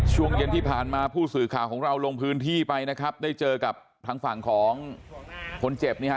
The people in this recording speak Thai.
ช่วงเย็นที่ผ่านมาผู้สื่อข่าวของเราลงพื้นที่ไปนะครับได้เจอกับทางฝั่งของคนเจ็บเนี่ยฮะ